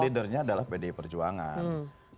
leadernya adalah pdi perjuangan